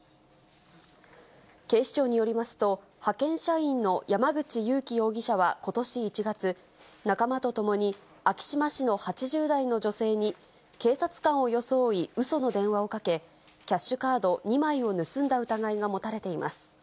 警視庁によりますと、派遣社員の山口裕貴容疑者はことし１月、仲間と共に昭島市の８０代の女性に、警察官を装いうその電話をかけ、キャッシュカード２枚を盗んだ疑いが持たれています。